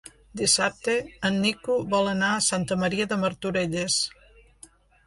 Dissabte en Nico vol anar a Santa Maria de Martorelles.